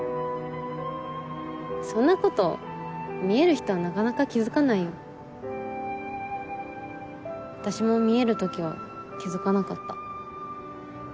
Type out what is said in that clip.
そんなこと見える人はなかなか気付かないよ。私も見える時は気付かなかった。